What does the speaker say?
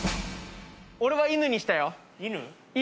俺は犬にしたよ犬・犬？